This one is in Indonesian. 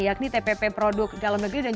yakni tpp produk dalam negeri dan